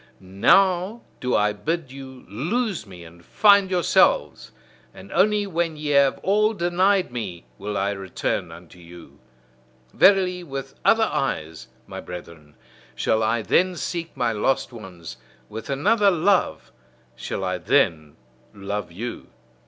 Now do I bid you lose me and find yourselves; and only when ye have all denied me, will I return unto you. Verily, with other eyes, my brethren, shall I then seek my lost ones; with another love shall I then love you.